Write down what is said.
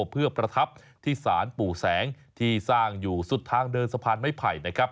เพื่อประทับที่ศาลปู่แสงที่สร้างอยู่สุดทางเดินสะพานไม้ไผ่นะครับ